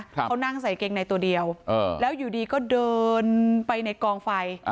เขานั่งใส่เกงในตัวเดียวแล้วอยู่ดีก็เดินไปในกองไฟ